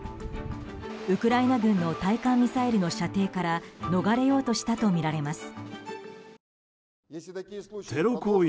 ウクライナ軍の対艦ミサイルの射程から逃れようとしたとみられます。